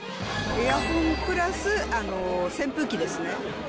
エアコンプラス扇風機ですね。